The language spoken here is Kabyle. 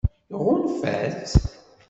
Iɣunfa-tt?